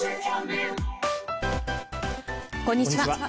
こんにちは。